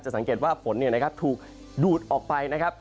จะสังเกตว่าฝนเนี่ยนะครับถูกดูดออกไปนะครับ